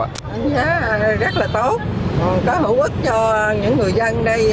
đánh giá rất là tốt có hữu ích cho những người dân đây